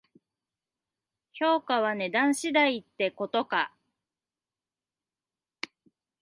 評価は値段次第ってことか